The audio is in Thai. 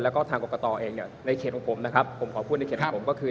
แล้วก็ทางกรกตเองเนี่ยในเขตของผมนะครับผมขอพูดในเขตของผมก็คือ